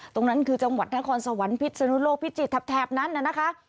ตรงนั้นคือจังหวัดนครสวรรค์พิษนุโลกพิจิตรแถบนั้นน่ะนะคะ